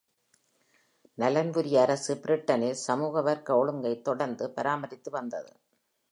நலன்புரி அரசு பிரிட்டனில் சமூக வர்க்க ஒழுங்கை தொடர்ந்து பராமரித்து வந்தது.